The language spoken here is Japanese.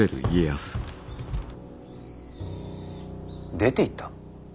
出ていった？